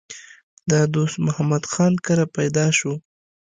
د دوست محمد خان کره پېدا شو